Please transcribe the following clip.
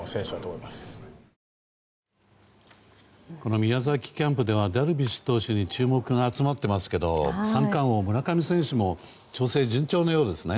宮崎キャンプではダルビッシュ投手に注目が集まってますけど三冠王、村上選手も調整、順調なようですね。